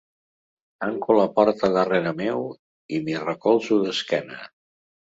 Tanco la porta darrere meu i m'hi recolzo d'esquena.